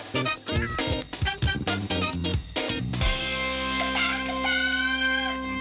สวัสดีครับ